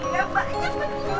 ya mbaknya betul